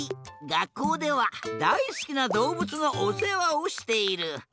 がっこうではだいすきなどうぶつのおせわをしている。